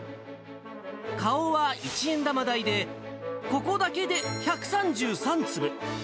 顔は一円玉大で、ここだけで１３３粒。